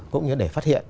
cũng như để phát hiện